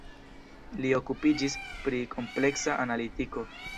Li okupiĝis pri kompleksa analitiko.